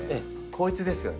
こいつですよね。